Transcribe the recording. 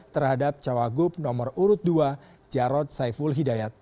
terhadap cawagup nomor urut dua jarod saiful hidayat